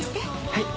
はい。